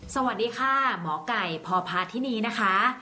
สวัสดีค่ะหมอไก่พพาธินีนะคะ